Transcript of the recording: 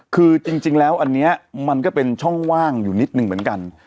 คือจริงแล้วอันนี้มันก็เป็นช่องว่างอยู่นิดนึงเหมือนกัน